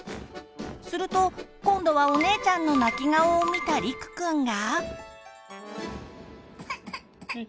すると今度はお姉ちゃんの泣き顔を見たりくくんが。